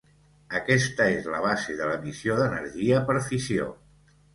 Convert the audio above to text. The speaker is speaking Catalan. Aquesta és la base de l'emissió d'energia per fissió.